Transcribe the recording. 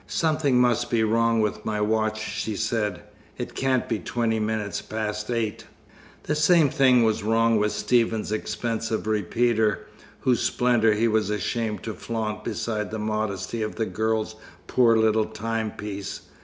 "Something must be wrong with my watch," she said. "It can't be twenty minutes past eight." The same thing was wrong with Stephen's expensive repeater, whose splendour he was ashamed to flaunt beside the modesty of the girl's poor little timepiece.